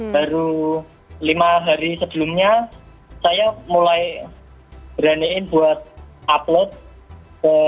baru lima hari sebelumnya saya mulai beraniin buat upload ke platform sosial media seperti facebook maupun twitter